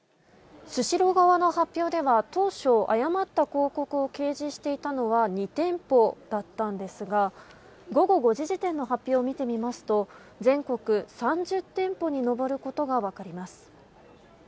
スシロー側の発表では当初、誤った広告を掲示していたのは２店舗だったんですが午後５時時点での発表を見てみますと全国３０店舗に上ることが分かります。